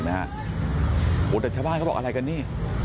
ดัชบ้านก็บอกอะไรกันนี่